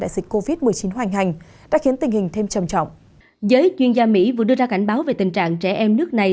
giới chuyên gia mỹ vừa đưa ra cảnh báo về tình trạng trẻ em nước này